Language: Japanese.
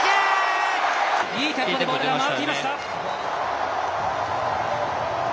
いいテンポでボールが回っていました。